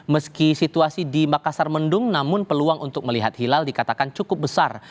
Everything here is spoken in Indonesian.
meski situasi di makassar mendung namun peluang untuk melihat hilal dikatakan cukup besar